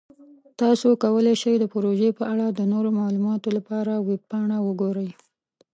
تاسو کولی شئ د پروژې په اړه د نورو معلوماتو لپاره ویب پاڼه وګورئ.